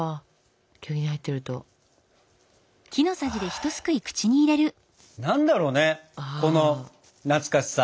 経木に入ってると。は何だろうねこの懐かしさ。